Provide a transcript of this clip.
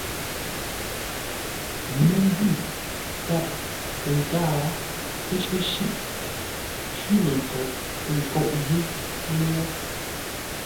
Məngwʉ̂ kâp tə nkáa, ə́ shíʼ; cwímənkoʼ kə̂ nkóʼ yé lə́wó.